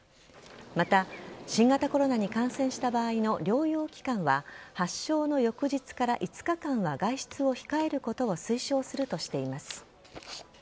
また新型コロナに感染した場合の療養期間は発症の翌日から５日間は外出を控えることを推奨するとしています。